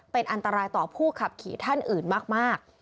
เป็นอันตรายต่อผู้ขับขี่ท่านอื่นมาก